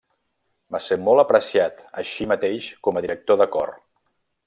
Va ser molt apreciat així mateix com a director de cor.